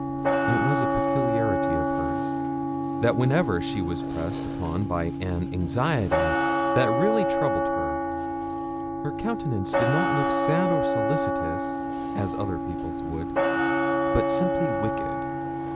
It was a peculiarity of hers, that whenever she was pressed upon by an anxiety that really troubled her, her countenance did not look sad or solicitous, as other people's would, but simply wicked.